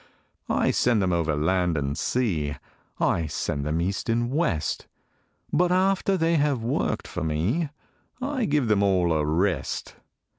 I send them over land and sea, I send them east and west; But after they have worked for me, I give them all a rest.